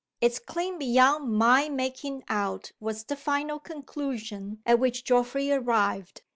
"It's clean beyond my making out," was the final conclusion at which Geoffrey arrived.